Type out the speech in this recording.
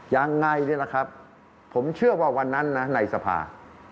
ยังไงนี่แหละครับผมเชื่อว่าวันนั้นนะในสภา